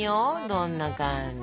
どんな感じ？